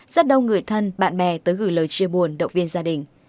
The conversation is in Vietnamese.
rất đông người thân bạn bè tới gửi lời chia buồn động viên gia đình